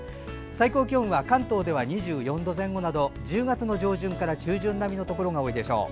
最高気温は関東で２４度前後など１０月の上旬から中旬並みのところが多いでしょう。